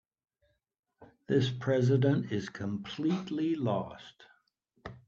This president is completely lost.